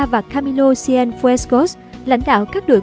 và camilo cienfuegos lãnh đạo các đội